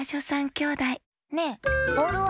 きょうだいねえボールは？